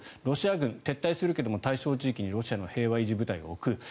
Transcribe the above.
ロシア軍、撤退するけど対象地域にロシアの平和維持部隊を置く。